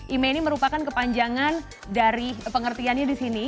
email ini merupakan kepanjangan dari pengertiannya di sini